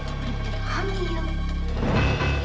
karena dia sudah berada di rumah